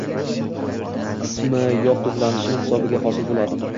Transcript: qismi yog 'to'planishi hisobiga hosil bo'ladi